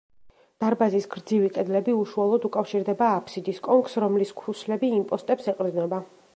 დარბაზის გრძივი კედლები უშუალოდ უკავშირდება აფსიდის კონქს, რომლის ქუსლები იმპოსტებს ეყრდნობა.